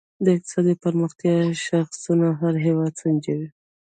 د اقتصادي پرمختیا شاخصونه هر هېواد سنجوي.